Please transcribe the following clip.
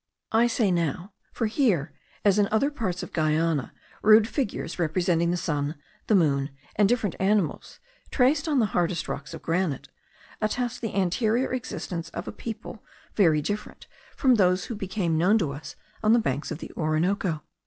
I say now; for here, as in other parts of Guiana, rude figures representing the sun, the moon, and different animals, traced on the hardest rocks of granite, attest the anterior existence of a people, very different from those who became known to us on the banks of the Orinoco.